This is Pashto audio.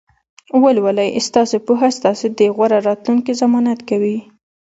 ولولئ! ستاسې پوهه ستاسې د غوره راتلونکي ضمانت کوي.